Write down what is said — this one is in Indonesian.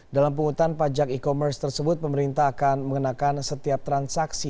dalam penghutang pajak e commerce tersebut pemerintah akan mengenakan setiap transaksi